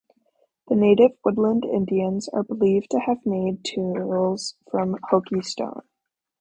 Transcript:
The native woodland Indians are believed to have made tools from Hokie Stone.